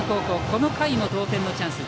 この回も同点のチャンス。